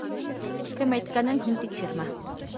— Кем әйткәнен һин тикшермә.